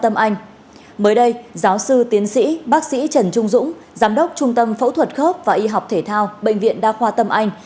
mới đây giáo sư tiến sĩ bác sĩ trần trung dũng giám đốc trung tâm phẫu thuật khớp và y học thể thao bệnh viện đa khoa tâm anh